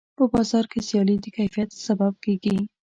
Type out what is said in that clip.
په بازار کې سیالي د کیفیت سبب کېږي.